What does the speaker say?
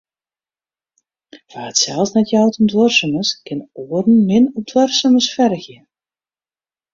Wa't sels net jout om duorsumens, kin oaren min op duorsumens fergje.